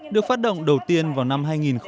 được phát động đầu tiên vào năm hai nghìn một mươi